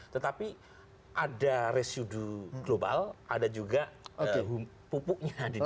tetapi ada residu global ada juga pupuknya